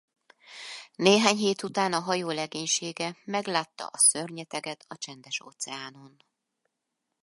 Néhány hét után a hajó legénysége meglátta a szörnyeteget a Csendes-óceánon.